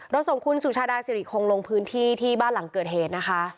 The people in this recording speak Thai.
ส่งคุณสุชาดาสิริคงลงพื้นที่ที่บ้านหลังเกิดเหตุนะคะ